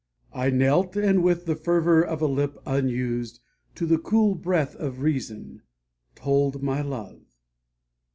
I knelt, And with the fervor of a lip unused To the cool breath of reason, told my love.